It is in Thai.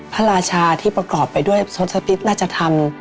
พระราชาที่ประกอบไปด้วยทศพิษราชธรรม